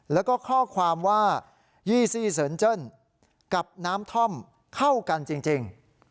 แล้วก็ข้อความว่ายี่ซี่เสิร์นเจิ้นกับน้ำท่อมเข้ากันจริง